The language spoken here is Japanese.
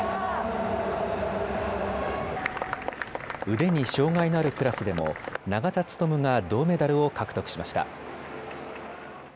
腕に障害のあるクラスでも永田務が銅メダルを獲得しました。